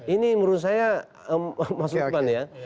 ini menurut saya mas lukman ya